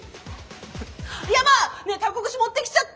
ヤバッ！ねえタコ串持ってきちゃった。